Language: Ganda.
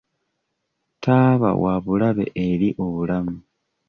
Taaba wabulabe eri obulamu.